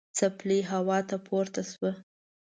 څپلۍ هوا ته پورته شوه.